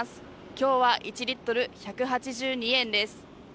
今日は１リットル＝１８２円です。